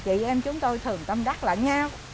chị em chúng tôi thường tâm đắc lại nhau